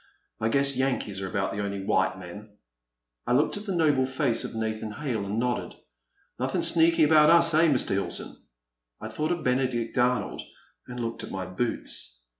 I guess Yankees are about the only white men. I looked at the noble face of Nathan Hale and nodded. " Nothin* sneaky about us, eh, Mr. Hilton ?" I thought of Benedict Arnold and looked at my boots.